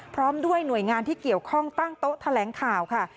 พร้อมด้วยหน่วยงานที่เกี่ยวข้องตั้งโต๊ะแถลงข่าวค่ะ